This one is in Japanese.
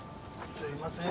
すいません。